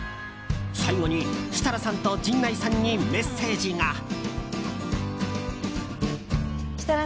最後に、設楽さんと陣内さんにメッセージが。